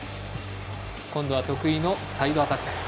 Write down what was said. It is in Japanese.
今度は得意のサイドアタック。